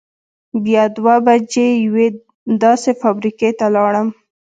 بیا دوه بجې یوې داسې فابرېکې ته لاړم.